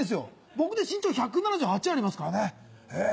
僕で身長１７８ありますからねええ。